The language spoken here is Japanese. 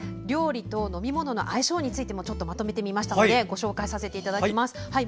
料理と飲み物の相性についてもまとめてみましたのでご紹介させていただきます。